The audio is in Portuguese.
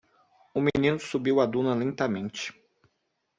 O menino subiu a duna lentamente.